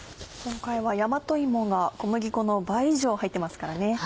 今回は大和芋が小麦粉の倍以上入ってますからね。